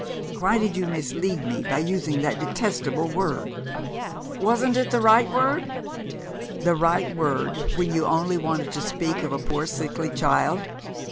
Why did you mislead me by using that detestable word?" "Wasn't it the right word?" "The right word when you only wanted to speak of a poor sickly child!